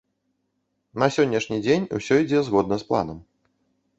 На сённяшні дзень усё ідзе згодна з планам.